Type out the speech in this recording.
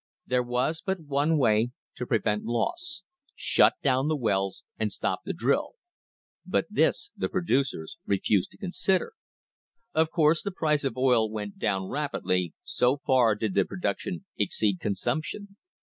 There was but one way to prevent loss — shut down the wells and stop the drill; but this the producers refused to consider. Of course the price of oil went down rapidly, so far did the production exceed consumption.